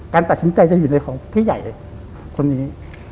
ตัดสินใจจะอยู่ในของพี่ใหญ่คนนี้